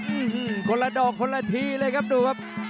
อืมคนละดอกคนละทีเลยครับดูครับ